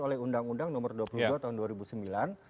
oleh undang undang nomor dua puluh dua tahun dua ribu sembilan